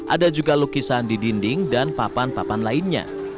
ada juga lukisan di dinding dan papan papan lainnya